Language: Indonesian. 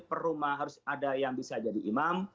per rumah harus ada yang bisa jadi imam